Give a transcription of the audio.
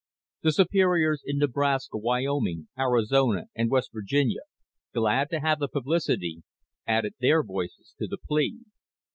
The Superiors in Nebraska, Wyoming, Arizona and West Virginia, glad to have the publicity, added their voices to the plea.